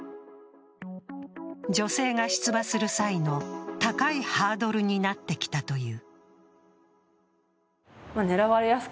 女性が出馬する際の高いハードルになってきたという。